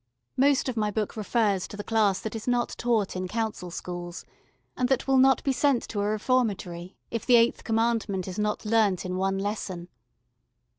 Most of my book refers to the class that is not taught in Council Schools, and that will not be sent to a reformatory if the eighth commandment is not learnt in one lesson.